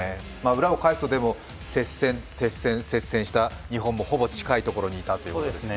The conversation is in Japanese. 裏を返すと接戦、接戦、接戦した日本もほぼ近いところにいたということですね。